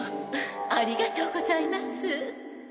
ありがとうございます。